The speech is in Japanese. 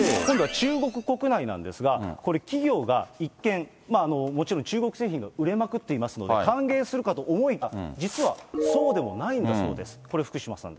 今度は中国国内なんですが、これ、企業が一見、もちろん中国製品が売れまくっていますので、歓迎するかと思いきや、実はそうでもないんだそうです。